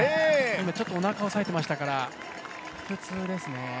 今ちょっとおなかをおさえていましたから腹痛ですね。